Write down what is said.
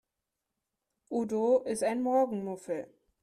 Udo ist ein Morgenmuffel.